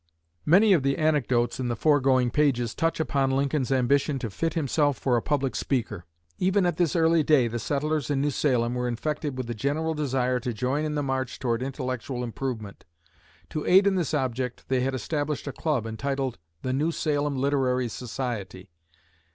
Many of the anecdotes in the foregoing pages touch upon Lincoln's ambition to fit himself for a public speaker. Even at this early day the settlers in New Salem were infected with the general desire to join in the march toward intellectual improvement. To aid in this object, they had established a club entitled the New Salem Literary Society.